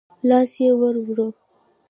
لاس يې ورووړ.